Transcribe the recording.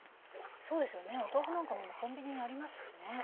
そうですよねお豆腐なんかも今コンビニにありますしね。